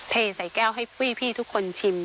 เทใส่แก้วให้พี่ทุกคนชิม